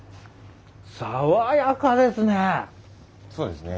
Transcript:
爽やかですね。